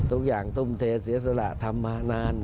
ทุกอย่างทุ่มเทเสียสละทำมานาน